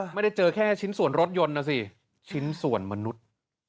ไม่ได้เจอแค่ชิ้นส่วนรถยนต์นะสิชิ้นส่วนมนุษย์